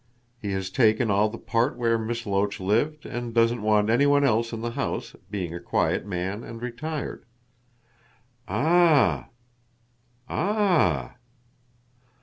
He has taken all the part where Miss Loach lived, and doesn't want anyone else in the house, being a quiet man and retired." "Ah! Ah!